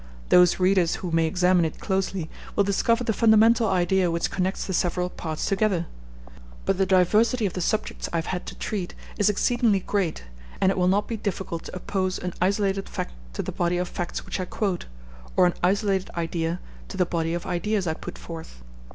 Those readers who may examine it closely will discover the fundamental idea which connects the several parts together. But the diversity of the subjects I have had to treat is exceedingly great, and it will not be difficult to oppose an isolated fact to the body of facts which I quote, or an isolated idea to the body of ideas I put forth.